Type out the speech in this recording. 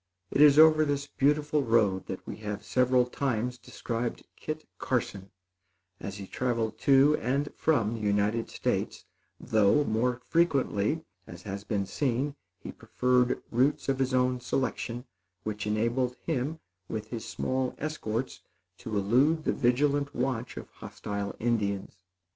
It is over this beautiful road that we have several times described Kit Carson as he traveled to and from the United States, though, more frequently, as has been seen, he preferred routes of his own selection, which enabled him, with his small escorts, to elude the vigilant watch of hostile Indians.